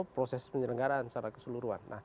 proses penyelenggaraan secara keseluruhan